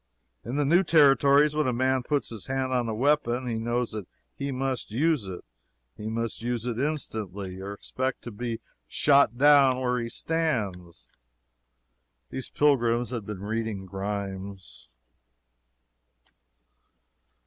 In the new Territories, when a man puts his hand on a weapon, he knows that he must use it; he must use it instantly or expect to be shot down where he stands. Those pilgrims had been reading Grimes.